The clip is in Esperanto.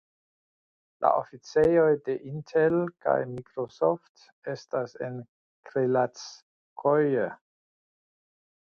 La oficejoj de Intel kaj Microsoft estas en Krilackoje.